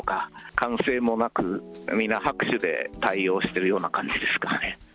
歓声もなく、皆、拍手で対応してるような感じですかね。